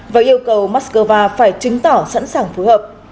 và yêu cầu moscow phải chứng tỏ sẵn sàng phối hợp